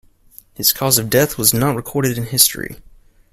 His cause of death was not recorded in history.